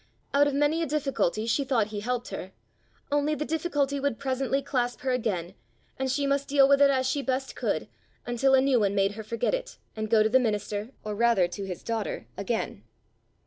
Out of many a difficulty she thought he helped her only the difficulty would presently clasp her again, and she must deal with it as she best could, until a new one made her forget it, and go to the minister, or rather to his daughter, again.